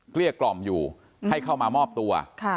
เกลี้ยกล่อมอยู่ให้เข้ามามอบตัว